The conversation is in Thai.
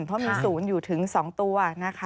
เพราะมี๐อยู่ถึง๒ตัวนะคะ